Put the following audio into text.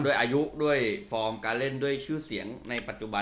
ด้วยอายุด้วยฟอร์มการเล่นด้วยชื่อเสียงในปัจจุบัน